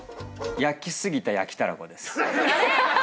焼きすぎた焼きたらこです。